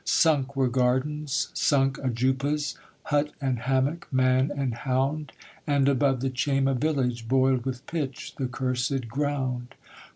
'Sunk were gardens, sunk ajoupas; Hut and hammock, man and hound: And above the Chayma village Boiled with pitch the cursed ground.